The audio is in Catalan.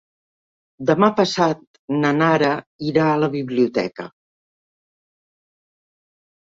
Demà passat na Nara irà a la biblioteca.